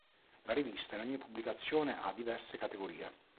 La rivista in ogni pubblicazione ha diverse categorie.